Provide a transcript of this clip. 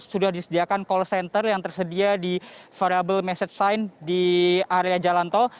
sudah disediakan call center yang tersedia di variable message sign di area jalan tol